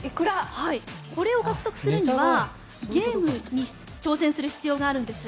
これを獲得するにはゲームに挑戦する必要があるんです。